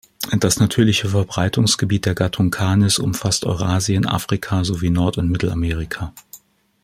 Das natürliche Verbreitungsgebiet der Gattung "Canis" umfasst Eurasien, Afrika sowie Nord- und Mittelamerika.